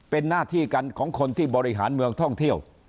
เป็นหน้าที่กันของคนที่บริหารเมืองท่องเที่ยว